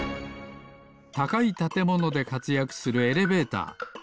たかいたてものでかつやくするエレベーター。